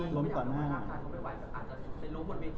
ไม่อยากไปล้มบนเวทีอันนี้มันไปนอกหรือเปล่า